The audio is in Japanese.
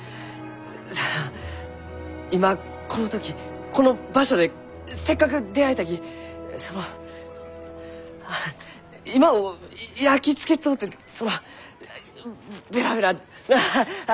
今この時この場所でせっかく出会えたきそのあ今を焼き付けとうてそのベラベラなあ！